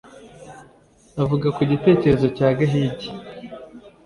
Avuga ku gitekerezo cya Gahigi